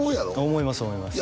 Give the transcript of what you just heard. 思います思います